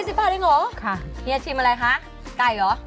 ๔๐บาทเองเหรอเราจะชิมอะไรคะไก่เหรอ